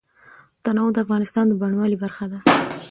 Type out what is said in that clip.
تنوع د افغانستان د بڼوالۍ برخه ده.